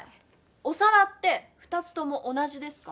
お皿って２つとも同じですか？